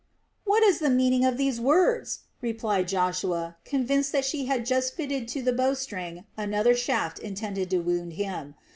"What is the meaning of these words?" replied Joshua, convinced that she had just fitted to the bowstring another shaft intended to wound him.